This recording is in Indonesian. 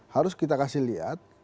harus kita kasih lihat